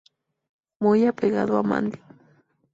Muy apegado a Mandy.